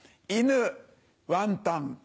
犬ワンタン。